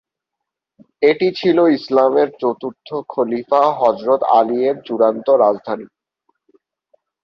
এটি ছিলো ইসলামের চতুর্থ খলিফা হযরত আলী এর চূড়ান্ত রাজধানী।